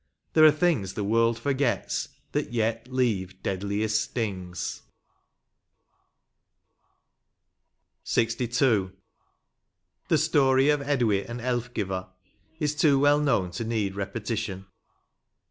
— there are things The world forgets that yet leave deadliest stings. 124 LXII. The story of Edwy and Elfgiva is too well knowQ to need repetition.